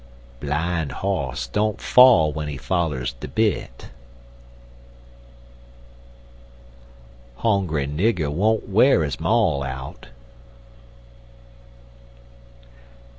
Blin' hoss don't fall w'en he follers de bit. Hongry nigger won't w'ar his maul out.